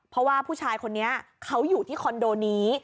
เพราะว่าผู้ชายคนนี้เขาอยู่ที่คอนโดนี้